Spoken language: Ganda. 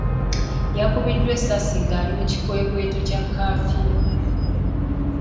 Yakubiddwa essasi nga ali mu kikwekweto kya kafiyu.